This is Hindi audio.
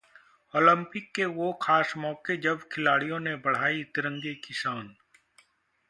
ओलंपिक के वो खास मौके, जब खिलाड़ियों ने बढ़ाई तिरंगे की शान